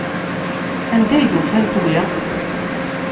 Anda ay d-ufant wi?